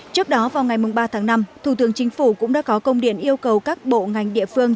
trước đó vào ngày ba tháng năm thủ tướng chính phủ cũng đã có công điện yêu cầu các bộ ngành địa phương